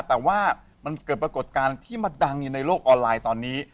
แต่ว่ามันเกิดปรากฏการณ์ที่มาดังอยู่ในโลกออนไลน์ตอนนี้